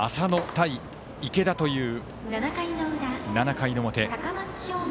対池田という７回の表。